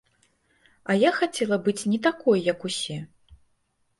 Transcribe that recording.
А я хацела быць не такой, як усе!